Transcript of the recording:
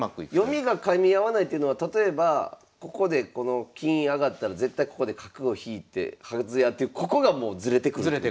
読みがかみ合わないというのは例えばここでこの金上がったら絶対ここで角を引いてはずやってここがもうズレてくるってことですか？